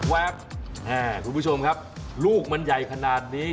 คุณผู้ชมครับลูกมันใหญ่ขนาดนี้